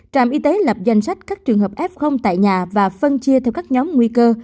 trạm y tế lập danh sách các trường hợp f tại nhà và phân chia theo các nhóm nguy cơ